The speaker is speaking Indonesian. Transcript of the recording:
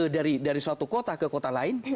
dari suatu kota ke kota lain